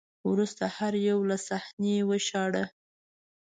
وروسته هر یو له صحنې وشاړه